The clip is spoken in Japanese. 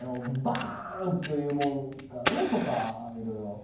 「バーン！」というものからねとかいろいろ。